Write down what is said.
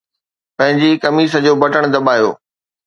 پنهنجي قميص جو بٽڻ دٻايو